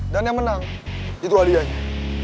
dan yang menang itu hadiahnya